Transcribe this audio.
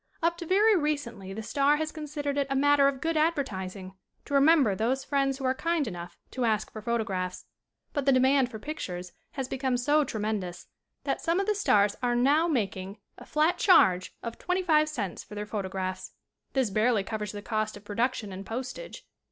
Up to very recently the star has considered it a matter of good advertising to remember those friends who are kind enough to ask for photographs. But the demand for pictures has become so tremendous that some of the stars are now making a flat charge of twenty five cents for their photographs. This barely covers the cost of production and post age.